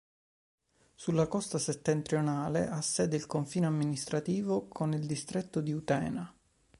Sulla costa settentrionale ha sede il confine amministrativo con il distretto di Utena.